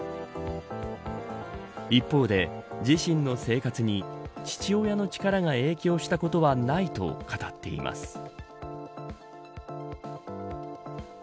一方で、自身の生活に父親の力が影響したことはないと語っています。